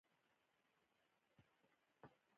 غریب د امید څراغ وي